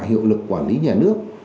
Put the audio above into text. hiệu lực quản lý nhà nước